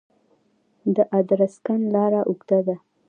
د ادرسکن لاره اوږده ده